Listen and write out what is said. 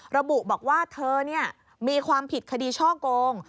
ระบุบอกว่าเธอมีความผิดคดีช่อโกง